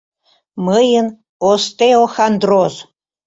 Мыйын остеохандроз!